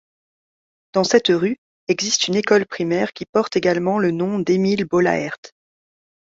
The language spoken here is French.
Dans cette rue existe une école primaire qui porte également le nom d'Émile Bollaert.